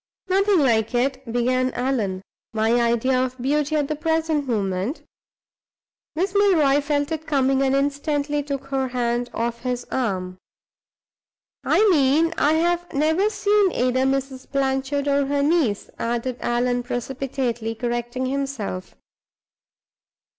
"Nothing like it," began Allan. "My idea of beauty at the present moment " Miss Milroy felt it coming, and instantly took her hand off his arm. "I mean I have never seen either Mrs. Blanchard or her niece," added Allan, precipitately correcting himself.